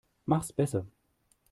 Mach's besser.